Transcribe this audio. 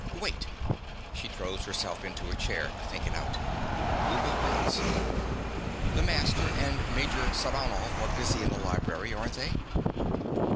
Wait! (She throws herself into a chair to think it out. Louka waits.) The master and Major Saranoff are busy in the library, aren't they?